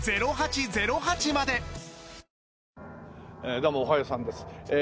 どうもおはようさんです。